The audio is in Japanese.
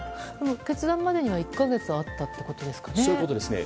決断までには１か月あったってことですかね。